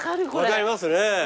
分かりますね。